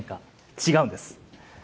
違うんです。